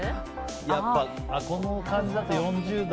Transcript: やっぱり、この感じだと４０代。